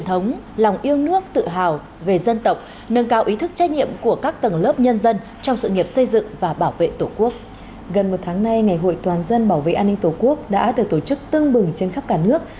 hôm nay ngày hội toàn dân bảo vệ an ninh tổ quốc đã được tổ chức tương bừng trên khắp cả nước